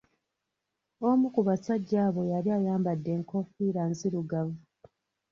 Omu ku basajja abo yali ayambadde enkofiira nzirugavu.